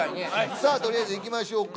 さあとりあえずいきましょうか。